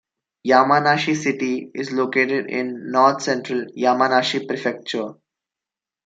Yamanashi City is located in north-central Yamanashi Prefecture.